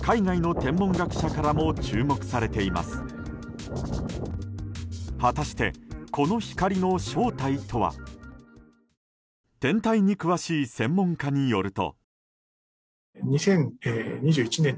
天体に詳しい専門家によると。